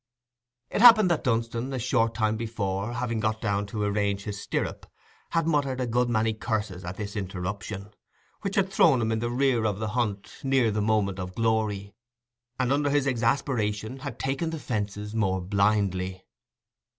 It happened that Dunstan, a short time before, having had to get down to arrange his stirrup, had muttered a good many curses at this interruption, which had thrown him in the rear of the hunt near the moment of glory, and under this exasperation had taken the fences more blindly.